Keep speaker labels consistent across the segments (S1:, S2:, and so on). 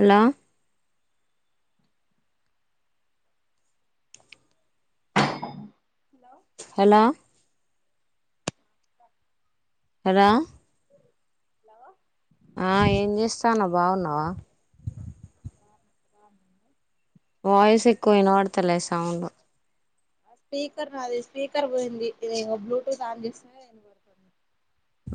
S1: Hello
S2: hello
S1: hello రా
S2: hello
S1: ఆ ఏం చేస్తాను బాగున్నావా
S2: అన్
S1: వాయిస్ ఎక్కువ వినపడతలే సౌండ్
S2: ఆ స్పీకర్ నాది స్పీకర్ పోయింది బ్లూటూత్ ఆన్ చేస్తే నే వినపడుతుంది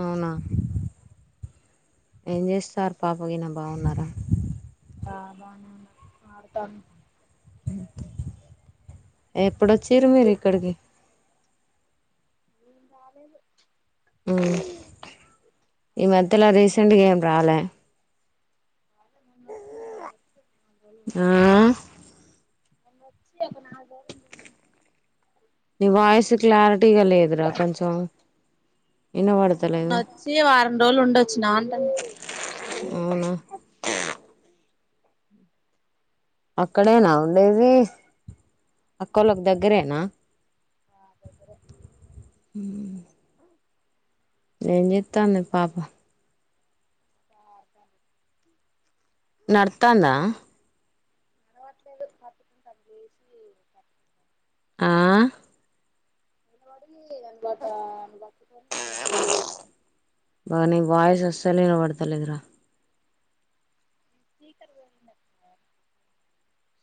S1: అవునా ఏం చేస్తారు పాప గనా బాగున్నారా
S2: ఆ బాగానే వున్నాం ఆడతన్
S1: ఎప్పుడొచ్చారు మీరు ఇక్కడికి
S2: రాలేదు
S1: ఇం ఈ
S2: అక్కొచ్చి
S1: మధ్యలా రీసెంట్గా ఏం రాలే
S2: మ వచ్చ మ
S1: ఆ
S2: వచ్చ ఉండయ్ వచి నాలుగు రోజులు అయిపోయినాయి
S1: నీ వాయిస్ క్లారిటీగా లేదురా కొంచం
S2: మున్నొ వచ్చి వారం రోజులు ఉండొచ్చి నా అంటన
S1: అవునా అక్కడేనా ఉండేది అక్కల్ల కి
S2: ఇక్కడే
S1: దగ్గరేనా
S2: ఉంటున్నా ఆ దగ్గరే
S1: హుమ్ ఏం చెత్తందే పాప
S2: అ
S1: నర్తనా
S2: నడవట్లేదు పటుకుని అది చేసి పస్తారు
S1: ఆ
S2: పలబడి బ బటుకొని
S1: బాగా నీ వయస్ అసల్ వినబడతలేదు
S2: స్పీకర్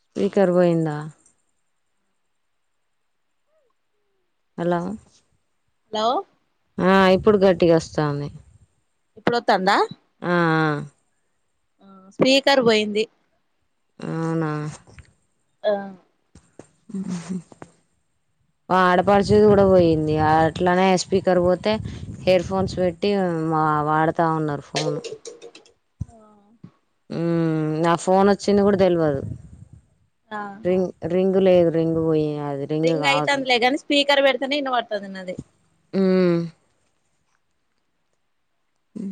S1: స్పీకర్ పోయిందా హలో
S2: హలో
S1: ఆ ఇప్పుడు గట్టిగా వస్తాంది
S2: ఇప్పుడు తాందా
S1: ఆ
S2: ఆ స్పీకర్ పోయింది
S1: అవునా
S2: ఆ
S1: ఆడపరిచేది కూడా పోయింది అట్లనే స్పీకర్ పోతే హెడ్ ఫోన్స్ పెట్టి వాడతా ఉన్నారు ఫోను
S2: ఆ
S1: నా ఫోన్ వచ్చింది కూడా తెలవదు
S2: ఆ
S1: రింగ్ రింగ్ అల రింగు పోయే
S2: రింగ్ అయితుంది గాని స్పీకర్ బడత న్నన్న వార్తదిన్నదది
S1: మ్మ్ హ్మ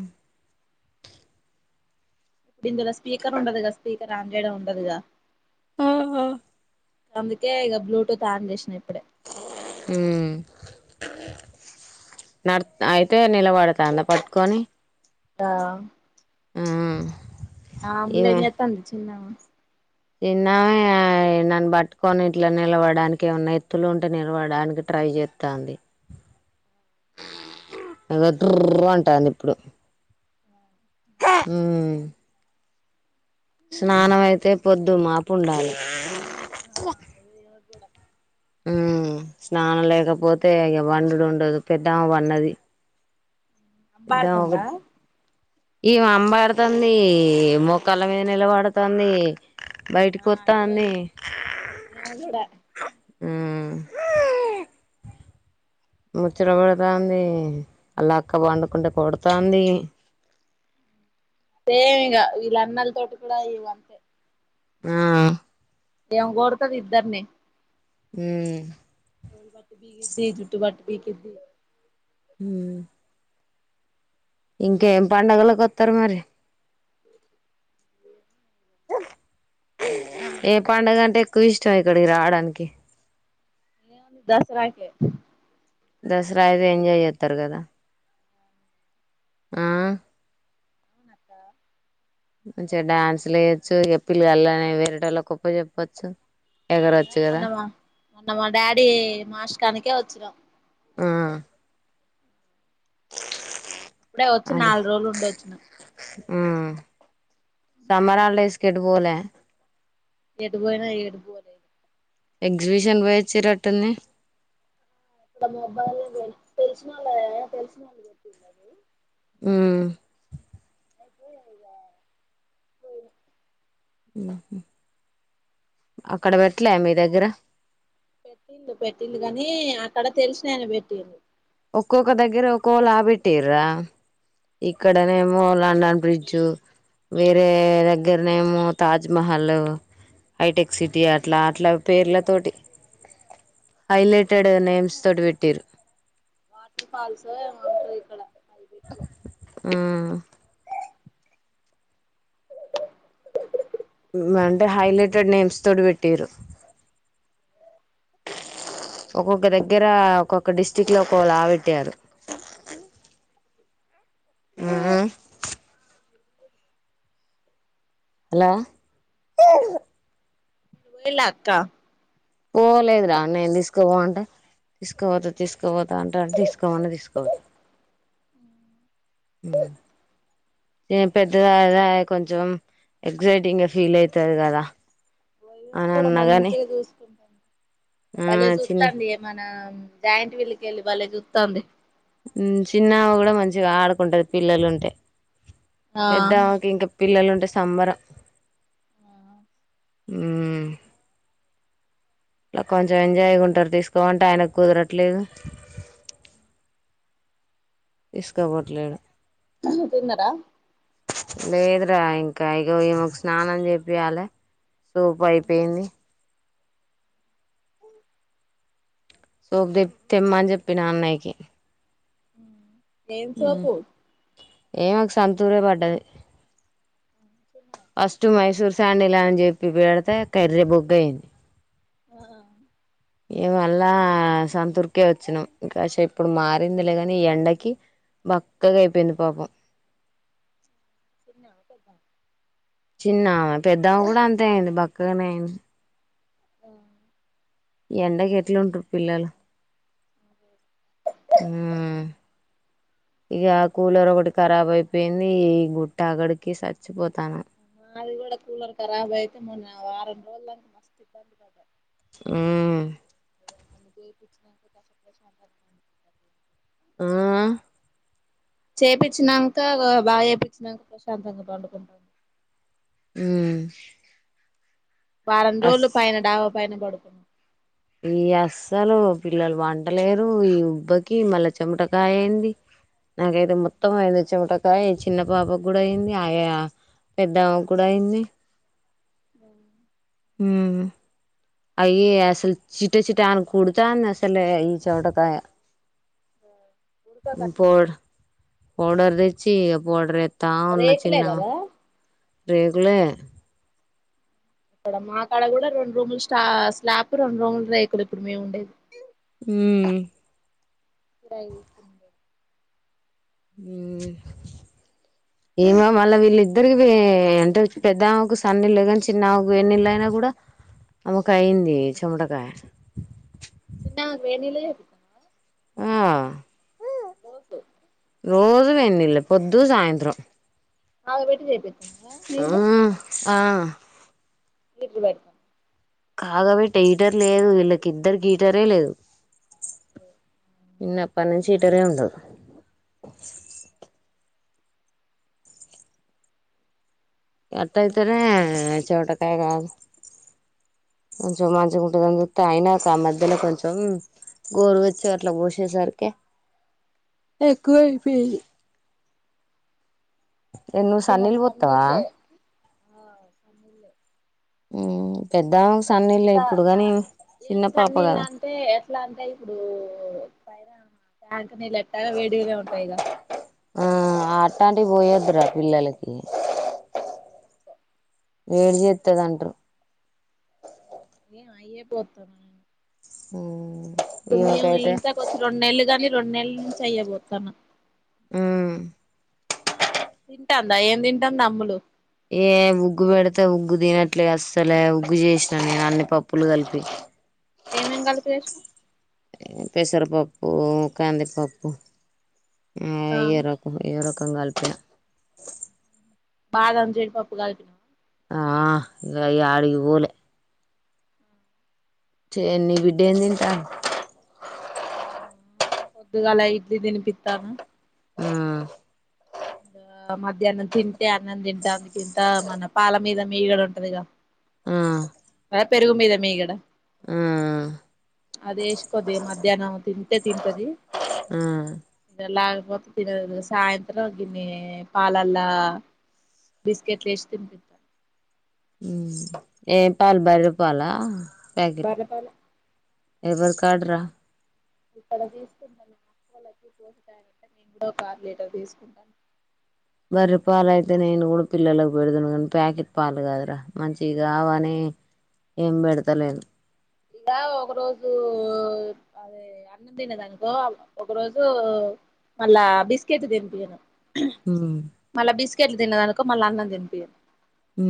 S2: ఇప్పుడు ఇందులో స్పీకర్ ఉండదుగా స్పీకర్ ఆంంద్రయడం ఉండదుగా
S1: ఓహో
S2: అందుకే ఇక బ్లూటూత్ ఆన్ చేసిన ఇప్పుడు
S1: మ్మ్ న అయితే నిలబడతాందా పట్టుకొని
S2: ఆ
S1: ఆ
S2: ఆ అబలే ఎత అంది చిన్నవా
S1: చిన్నమే నన్ను పట్టుకొని ఇట్లా నిలవడానికి ఏమన్నా ఎత్తులు ఉంటే నిలవడానికి ట్రై చేస్తాంది ఇదుగో టూర్ అంటుంది ఇప్పుడు మ్మ్ స్నానం అయితే పొద్దు మాపు ఉండాలి
S2: అ కూడా
S1: ఉ స్నానం లేకపోతే ఇక బండుడు ఉండదు పెద్దమ వన్నది
S2: అబారతందా
S1: ఈ అంబడుతుంది మొక్కల మీద నిలబడుతుంది బయటికి
S2: ఆ
S1: వస్తా
S2: ఏదో
S1: అనీ
S2: ఈమె కూడా
S1: ముచ్చటబడుతుంది అలా అక్క పండుకుంటే కొడుతంది
S2: సేమ్ ఇగ ఇలా అన్నల్ తోట కూడాడా ఇవ అంతే
S1: ఆ
S2: ఇమే కొడత్ది ఇద్దరిని
S1: ఉమ్
S2: చో జుట్టు వటి పేకింది
S1: ఉమ్ ఇంకేం పడుగలలకు వస్తారు మరి ఏ పడుగ అంటే ఎక్కువ ఇష్టం ఇక్కడికి రావడానికి
S2: దసరాకి
S1: దసరా అయితే ఎంజాయ్ చేస్తారు కదా ఆ
S2: నక్క
S1: మంచిగా డ్యాన్స్ లేయొచ్చు ఎప్పిలు కళ్ళని వేరేటళ గొప్ప చెప్పొచ్చు ఎగరవచ్చు కదా
S2: న్న మా డాడీ మాస్కానుకే వచ్చినం
S1: ఆ
S2: ఇప్పుడే వచ్చి నాలుగు రోజులు ఉండ వచ్చుిన
S1: ఆ సమరాా హాలిడేస్ కచెట్టు పోలే
S2: ఎడు పోయినా ఏడు పోలేదు
S1: ఎక్సిబిషన్ వయిచ్చి రటన్ని
S2: ఇక్కడ మొబ్బాల్ తెలిసినళ్ళ తెలిసినళ్ళు గట్టిందిది
S1: ఆ
S2: [unintelligible]
S1: మ అక్కడ పెట్టలే మీ దగ్గర
S2: పెట్టిడు పెట్టింది కాని అక్కడ తెలిసినేను పెట్టింది
S1: ఒక్కోక్క దగ్గిర ఒక్కోవళ ఆబట్టరా ఇక్కడనేమో లండన్ బ్రిడ్జు వే
S2: అదే
S1: దగ్గరనే మ తాజ్మహల్ హైటెక్ సిటీ అట్లా అట్లా పేర్లతోటి హైలైటెడ్
S2: ఇక్కడేమో
S1: నేమ్స్ తోటి పెట్టటిరు
S2: ఇక్కడే
S1: ఆ అంటే హైలైటెడ్ నేమ్స్ తోటి పెట్టారు ఒక్కొక్క దగ్గర ఒక్కొక్క డిస్టిరిక్ట్ లో ఒక్కొ లా పెట్టారు ఆ ఆ హలో
S2: వేల అక్క
S1: పోలేదురా నేను తీసుకోపోంటా తీసుకోపోతా తీసుకోపోతా అంట తీసుకోవని తీసుకోపోతా ఏం పెద్ద కొంచెం ఎగజైటింగ్ గా ఫీల్ అవుతది కదా
S2: వైం
S1: అని
S2: కూడా
S1: అన్నగాని
S2: మంచిగా చూసుకుంటాంది
S1: ఆ
S2: వాళ్ళ
S1: చిన్
S2: చూస్తుంది ఏమనా జాయింట్ వీళ్ళకి వెళ్ళి వాళ్ళ చూత్తాంది
S1: చిన్నమ కూడా మంచిగా ఆడుకుంటది పిల్లలు ఉంటే
S2: ఆ
S1: పెద్దాకి ఇంకా పిల్లలు ఉంటే సంబరం ఉమ్ కొంచెం ఎంజాయ్ ఉంటారు తీసుకో అంటే ఆయన కుదరట్లేదు ఇస్ కబుర్లే డు
S2: తిన్నరా
S1: లేదురా ఇంకా ఇగ ఈ మాకు స్నానం చెపియాలి సోపు అయిపోయింది సోపుది తెమ్మ అని చెప్పి నా అన్నయికి
S2: ఉమ్ ఎమ్ సోపు
S1: ఏమకు సంతూరే పడ్డది ఫస్టు మైసూర్ సాండిల్ అని చెప్పి పెడితే కర్రె బొగ్ అయింది
S2: ఆ
S1: ఇవాళ్ళ సంతూర్ కే వచ్చినాను ఇంకా కాసేపు ఇప్పుడు మారింది లేగాని ఈ ఎండకి బక్కగా అయిపోయింది పాపం
S2: ద
S1: చిన్న పెద్దమ కూడా అంతే అయింది బక్కగానే అయింది
S2: ఆ
S1: ఈ ఎండకి ఎట్లా ఉంటారు పిల్లలు ఉమ్ ఇక కూలర్ ఒకటి కారాబ్ అయిపోయింది ఈ గుట్ట అగడికి చచ్చిపోతు
S2: మాది కూడా కూడా కూలర్ ఖరాబ్ ఆయతే మొన్న వారం మా వాళ్ళు అంత మస్ట్ ఇబ్బంది పడ్డాం
S1: మ్మ్
S2: అది
S1: ఆ
S2: చేపిచ్చినాక బాగా చేపిచ్చినాక ప్రశాంతంగా పండుకుంటుంది
S1: ఆమ్
S2: వారం రోజులు పైన డాబా పైన పడుకుంటు
S1: ఈ అస్సలు పిల్లలు వంటలేరు ఈ ఉబ్బకి మళ్ళా చెమటకాయ అయింది నాకైతే మొత్తం అయింది చెమటకాయ చిన్న పాప కూడా అయింది ఆయా పెదామ్మ కూడా అయింది
S2: అ
S1: ఉమ్ అయ్యా అసలు చిట్ట చిట్ట అని కుడతా ఉన్నాయి అసలే ఈ చమటకాయ
S2: ఉడక
S1: ఇప్పుడు
S2: కట్నం
S1: కూడా పౌడర్ దచ్చి ఇక ఫౌడర్ ఎ తా ఉన్న
S2: రేకులే
S1: చిన్న
S2: కదా
S1: రేకులే
S2: ఇక్కడ మా కాడ కూడా రెండు రూములు స్టా స్లాప్ రెండు రూములు రేకులు ఇప్పుడు మేము ఉండేది
S1: హమ్
S2: ఇక టైమింగ్ జెస్తుంది
S1: చ్ ఏమో మళ్ళా వీళ్ళిద్దరికి అంటే పెద్దామ్మకు సన్నీళ్ళు కాని, చిన్నకు ఎన్నిళ్ళ అయినా కూడా ఆమకు అయింది చమటకాయ.
S2: చిన్న వేనల దె
S1: ఆ
S2: నోటు
S1: రోజు వెన్నిల్ పొద్దు సాయంత్రం
S2: నాకు పెట్టి చెపి
S1: ఆ ఆ
S2: ఇప్పుడు పెట్ను
S1: కాగాపెటే హీటర్ లేదు, వీళ్ళకిద్దరు గీటరే లేదు.
S2: ఓ
S1: ఇన్నపటి నుంచి హీటరే ఉండదు. ఎట్ అయితేనే చోటకాయ కాదు కొంచెం మంచిగా ఉంటుందని చేపితే అయినా ఒక ఆ మధ్యలో కొంచెం గోరు వెచ్చగ అట్లా పోసేసరికి ఎక్కువైపేంది. ఎ ను
S2: ఈమెకు
S1: సన్నీల్
S2: సన్
S1: పోతవ
S2: నీళ్ళే ఆ సన్నిలే
S1: ఊ పెద్దా
S2: ఇంకా ఏం సన్నీలా
S1: కదా
S2: అంటే ఎట్లా అంటా ఇప్పుడు పైరా ట్యాంక్ నీళ్ళెట్టాగా వేడిగనే ఉంటాయిగ
S1: ఆ ఆటాంటివి పోయద్రా పిల్లలకి వేడి చేస్తంది అంటారు.
S2: ఏ అయే పోతన్నా
S1: ఊ
S2: ఇప్పుడు మేము ఈ ఇంట్లోకి వచ్చి రెండు నెలలు కానీ రెండు నెలల నుంచి అయ్యేపోతన
S1: ఊ
S2: తింటాందా, ఏం తింటాంది అమ్ములు.
S1: ఏ ఉగ్గు పెడితే ఉగ్గు తినట్లే అస్సలే ఉగ్గు చేసినాను నేను అన్ని పప్పులు కలిపి.
S2: ఏమేం కలిపి చేసినవ్
S1: పెసరపప్పు, కందిపప్పు ఆ ఏరక్ ఎరక్ కంగల్పుర [unintelligible]
S2: బాదం జీడిపప్పు గలిపిన
S1: ఆ ఇంగా యాడికి పోలే చే నీ బిడ్డ ఏ తింటా [unintelligible]
S2: పొద్దుగాల ఇడ్లీ తినిపిత్తాను.
S1: ఊ
S2: దా మధ్యానం తింటే అన్నం తింటాంది. ఇంత మన పాల మీద మీగడ ఉంటదిగా ఆ పెరుగు మీద మీగడ.
S1: ఆ.
S2: అది వేసి కొద్దిరగ మధ్యాహ్నం తింటే తింటది.
S1: ఉమ్
S2: ఇక లేకపోతే తినదు. సాయంత్రం గిన్ని పాలలా బిస్కెట్లు వేసి తినిపితా
S1: ఉమ్ ఏం పాల్ బర్రె పాల.
S2: బర్రె పాలె
S1: ఎవర్ కాడ రా
S2: ఇక్కడ తీసుకుంటాక్కులకి పోసిాంటే నే ఆరు లీటర్ తీసుకుంటాను.
S1: బర్రిపాలు అయితే నేను కూడా పిల్లలకు పెడుదును కానీ ప్యాకెట్ పాలు కదురా మంచివి కావని ఏం పెడతలేను
S2: ఇలా ఒక రోజు అదే అన్నం తిన్నదనుకో ఒక రోజు మళ్ళా బిస్కెట్ తినిపియను
S1: హూ
S2: మళ్ళా బిస్కెట్లు తిన్నదనుకో మళ్ళా అన్నం తినిపియను
S1: ఉ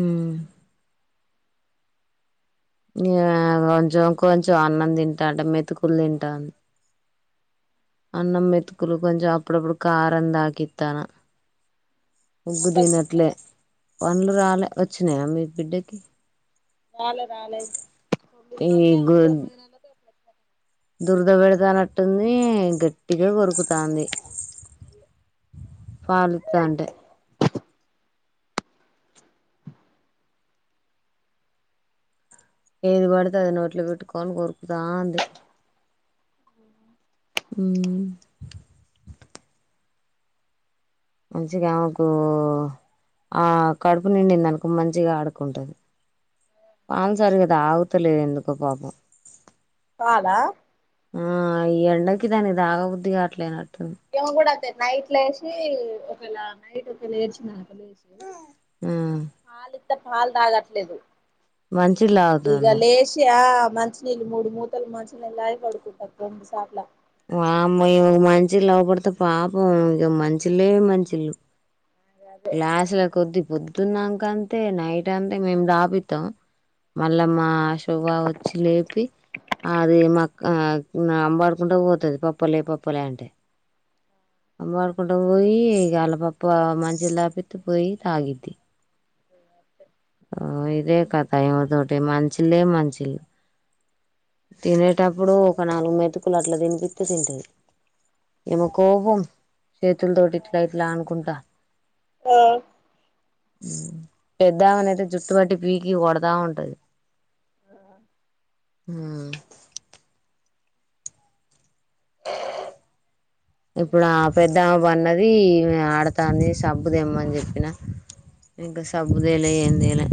S1: ఇంగా కొంచెం కొం చం అన్నం
S2: మళ్ళ
S1: తింటాంటె మెతుకు కులు తింటాంది అన్నం మెతుకులు కొంచెం అప్పుడప్పుడు కారం తాకిత్తాన ఉగ్గు
S2: కళ్ళు వచ్చినాయా
S1: తినట్లే పండ్లు రాలే వచ్చినాయా మీ బిడ్డకి
S2: రాలే రాలే తొమిది
S1: ఈ
S2: నెలలే
S1: గు
S2: తొమ్మిది నెలలకే
S1: దురద పెడతానట్టుంది గట్టిగా కొరుకుతాంది పలీతంటే ఏది పడితే అది నోట్లో పెట్టుకోని కోరు తాంది మంచిగా ఆమెకు ఆ కడుపు నిండిదనుకో మంచిగా ఆడుకుంటది పాల్ సారిగా తాగుతలేదు ఎందుకో పాపం
S2: చాలా
S1: ఆ ఈ ఎండకి దానికి దాగా బుద్దిగాట్లేనట్టు
S2: ఎనా కూడా నైట్ లో ఏసి ఒకేళ నైట్ ఒక లేచినా [unintelligible]
S1: ఉమ్
S2: పాలి పాలు తాగట్లేదు
S1: మంచిళ్ళు
S2: ఈగ
S1: తాగుతుంది
S2: లేషి యా మంచినీళ్ళు మూడు మూతలు మంచినీళ్ళు తాగి పడుకుంటా రెండు సార్లు
S1: వామ్మో మంచి తాగబడితే పాపం ఇంక మంచిలే మంచిలు
S2: అదే
S1: గ్లాస్ల కొద్ది పొద్దున్నాక అంతే నైట్ అంటే మేము దాపితాం మళ్ళా మా శోభ వచ్చి లేపి అది మా అంబడు కుంటా పోతది పప్పలే పప్పలే అంటే పడుకుంటా పోయి ఇగ అల పప్ప మంచిల్ తపితే పోయి తాగిద్ది
S2: అంతె
S1: ఓ ఇదే కథ ఇమే తోటి మంచిలే మంచిలు తినేటప్పుడు ఒక నాలుగు మెతుకులు అట్లా తినిపితే తింటది ఈమెకు కోపం చేతులు తోటి ఇట్లా ఇట్లా ఆనుకుంట
S2: ఆ
S1: పెద్దామెనూ అయితే జుట్టు పట్టి పీకి కొడతా ఉంటది ఉమ్ ఇప్పుడు ఆ పెద్దమ్మ పన్నది ఈమె ఆడతాంది సబ్బు దేమ్మని చెప్పిన ఇంకా సబ్బుదేలే ఏందేలే